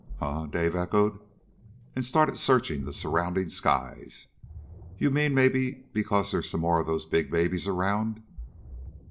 "Huh?" Dave echoed, and started searching the surrounding skies. "You mean, because maybe there's some more of those big babies around?"